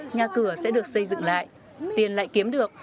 nhà cửa sẽ được xây dựng lại tiền lại kiếm được